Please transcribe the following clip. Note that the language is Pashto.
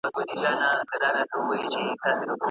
د کاردستي مضمون باید په ټولګي کې وړاندې شي.